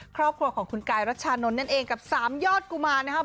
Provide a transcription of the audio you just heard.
ครอบครัวของคุณกายรัชชานนท์นั่นเองกับสามยอดกุมารนะครับ